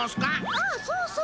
ああそうそう